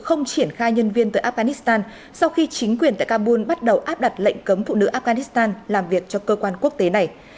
không triển khai nhân viên tới afghanistan sau khi chính quyền tại kabul bắt đầu áp đặt lệnh cấm phụ nữ afghanistan làm việc cho cơ quan quốc tế này